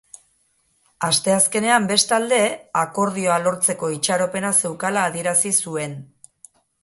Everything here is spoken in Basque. Asteazkenean, bestalde, akordioa lortzeko itxaropena zeukala adierazi zuen.